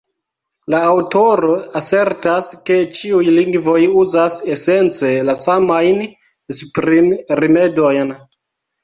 La aŭtoro asertas, ke ĉiuj lingvoj uzas esence la samajn esprimrimedojn.